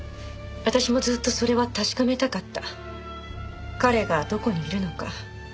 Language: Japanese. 私もずっとそれは確かめたかった彼がどこにいるのか。